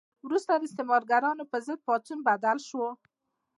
وروسته د استثمارګرانو په ضد پاڅون بدل شو.